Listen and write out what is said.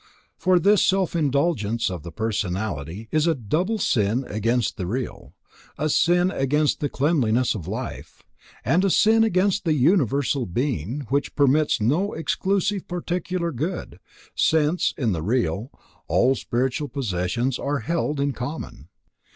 For this self indulgence of the personality is a double sin against the real; a sin against the cleanness of life, and a sin against the universal being, which permits no exclusive particular good, since, in the real, all spiritual possessions are held in common.